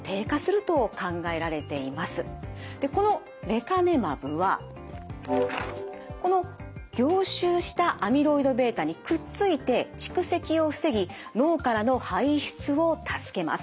このレカネマブはこの凝集したアミロイドβにくっついて蓄積を防ぎ脳からの排出を助けます。